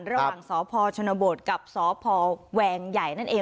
ระหว่างสพชนบทกับสพแวงใหญ่นั่นเอง